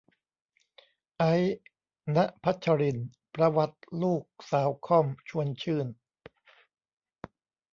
ไอซ์ ณพัชรินทร์ ประวัติลูกสาวค่อม ชวนชื่น